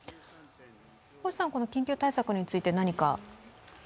星さん緊急対策について何か？